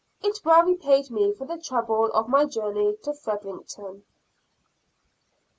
It well repaid me for the trouble of my journey to Fredericton.